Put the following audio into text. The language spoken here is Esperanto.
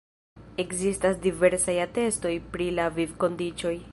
Ekzistas diversaj atestoj pri la vivkondiĉoj.